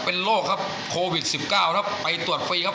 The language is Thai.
เป็นโรคครับโควิดสิบเก้าครับไปตรวจฟรีครับ